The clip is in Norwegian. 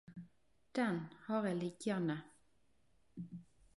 Den har eg liggjande.